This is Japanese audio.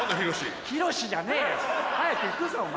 早く行くぞお前！